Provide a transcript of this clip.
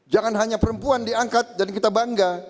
jangan hanya perempuan diangkat dan kita bangga